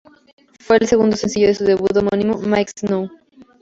Fue el segundo sencillo de su debut homónimo "Miike Snow".